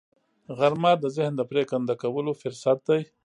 غرمه د ذهن د پرېکنده کولو فرصت دی